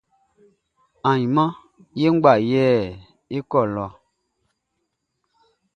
Ainman ye nʼgba ye kɔ lɔ.